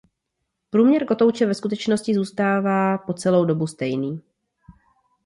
Průměr kotouče ve skutečnosti zůstává po celou dobu stejný.